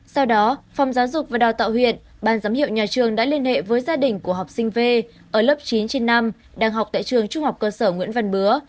sau đó phòng giáo dục và đào tạo huyện ban giám hiệu nhà trường đã liên hệ với gia đình của học sinh v ở lớp chín trên năm đang học tại trường trung học cơ sở nguyễn văn bứa